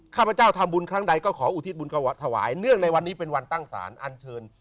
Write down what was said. ข้าพเจ้าทำบุญครั้งใดก็ขออุทิศบุญถวายเนื่องในวันนี้เป็นวันตั้งศาลอันเชิญ